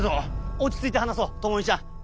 落ち着いて話そう朋美ちゃん。